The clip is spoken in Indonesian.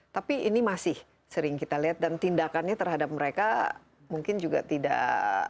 tapi ini masih sering kita lihat dan tindakannya terhadap mereka mungkin juga tidak